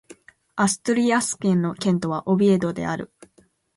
アストゥリアス県の県都はオビエドである